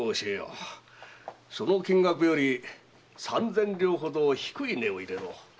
その金額より三千両ほど低い値を入れろ。